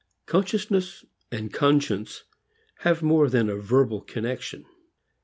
Consciousness and conscience have more than a verbal connection.